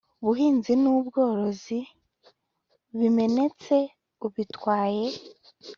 buhinzi n ubworozi bimenetse ubitwaye